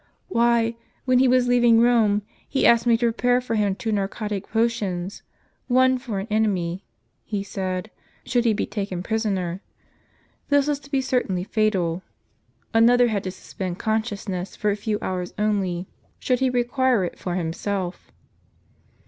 "Why, when he was leaving Rome, he asked me to pre pare for him two narcotic potions; one for any enemy, he said, should he be taken prisoner. This was to be certainly fatal ; another had to suspend consciousness for a few hours only, should he require it for himself.